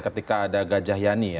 ketika ada gajah yani ya